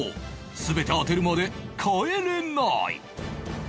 全て当てるまで帰れない！